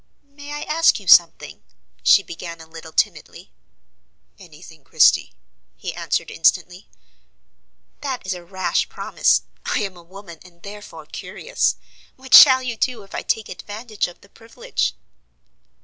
"May I ask you something," she began a little timidly. "Any thing, Christie," he answered instantly. "That is a rash promise: I am a woman, and therefore curious; what shall you do if I take advantage of the privilege?"